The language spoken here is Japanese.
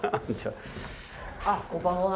あっこんばんは。